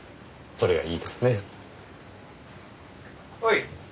それはいいですね。